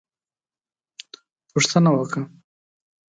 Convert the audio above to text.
_پوښتنه وکه!